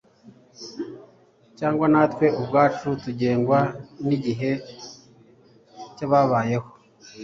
Cyangwa natwe ubwacu tugengwa nigihe cyababayeho